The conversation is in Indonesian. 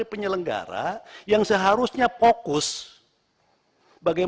sebenarnya klien coba